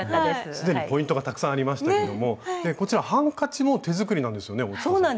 既にポイントがたくさんありましたけどこちらハンカチも手作りなんですよね大塚さん。